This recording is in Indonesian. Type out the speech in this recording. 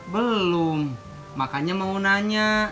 belum makanya mau nanya